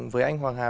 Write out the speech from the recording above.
với anh hoàng hà